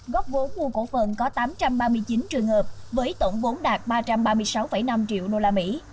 góp vốn mua cổ phần có tám trăm ba mươi chín trường hợp với tổng vốn đạt ba trăm ba mươi sáu năm triệu đô la mỹ